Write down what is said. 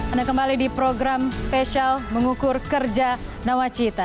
anda kembali di program spesial mengukur kerja nawacita